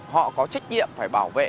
họ có trách nhiệm phải bảo vệ